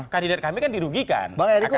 kandidat kami kan dirugikan